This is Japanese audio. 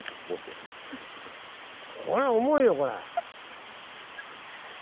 これ重いよこれ。